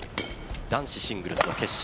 男子シングルスの決勝